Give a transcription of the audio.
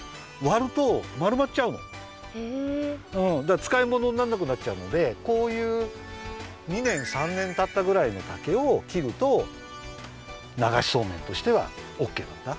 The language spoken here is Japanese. でつかいものになんなくなっちゃうのでこういう２年３年たったぐらいの竹をきるとながしそうめんとしてはオッケーなんだ。